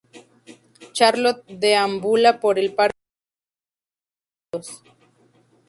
Charlot deambula por el parque entre las parejas de enamorados.